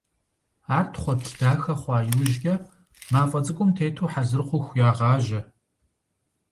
Ар тхъуэплъ дахэ хъуа иужькӀэ, мафӀэ цӀыкӀум тету хьэзыр хъуху ягъажьэ.